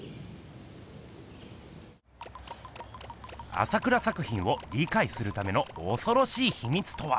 朝倉作品をりかいするためのおそろしいひみつとは。